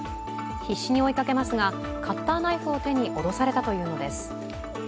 必死に追いかけますがカッターナイフを手に脅されたというのです。